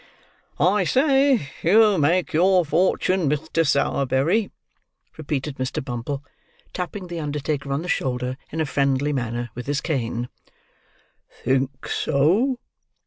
"I say you'll make your fortune, Mr. Sowerberry," repeated Mr. Bumble, tapping the undertaker on the shoulder, in a friendly manner, with his cane. "Think so?"